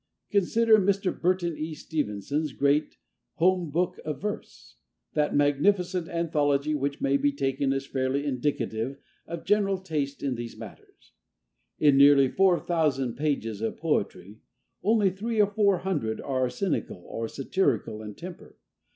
Consider Mr. Burton E. Stevenson's great "Home Book of Verse," that magnificent anthology which may be taken as fairly indicative of general taste in these matters. In nearly 4,000 pages of poetry only three or four hundred are cynical or satirical in temper.